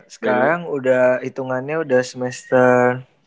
sekarang udah hitungannya udah semester